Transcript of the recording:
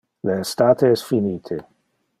Le estate es finite.